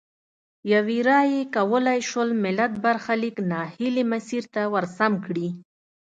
یوې رایې کولای شول ملت برخلیک نا هیلي مسیر ته ورسم کړي.